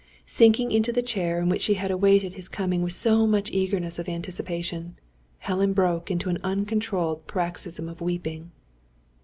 Sinking into the chair in which she had awaited his coming with so much eagerness of anticipation, Helen broke into an uncontrollable paroxysm of weeping.